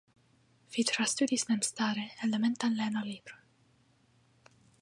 Vi trastudis memstare elementan lernolibron.